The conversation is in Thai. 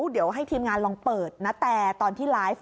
เดี๋ยวให้ทีมงานลองเปิดนะแต่ตอนที่ไลฟ์